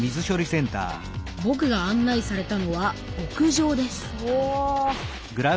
ぼくが案内されたのは屋上ですお。